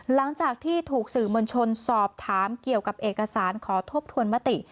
หลังจากที่ถูกสื่อมวลชนสอบถามเกี่ยวกับเอกสารขอทบทวนมติ